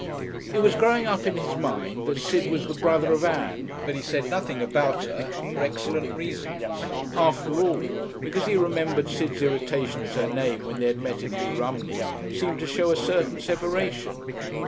It was growing up in his mind that Sid was the brother of Ann, but he said nothing about her for excellent reasons. After all, because he remembered Sid's irritation at her name when they had met in New Romney seemed to show a certain separation.